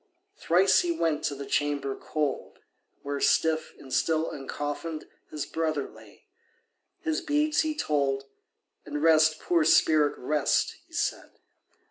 Thrice he went to the chamber cold, Where, stiff and still uncoffinèd, His brother lay, his beads he told, And "Rest, poor spirit, rest," he said.